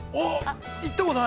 ◆行ったことない？